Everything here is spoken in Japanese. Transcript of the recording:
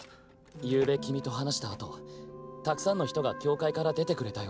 夕べ君と話したあとたくさんの人が教会から出てくれたよ。